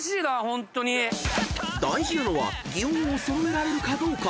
［大事なのは擬音を揃えられるかどうか］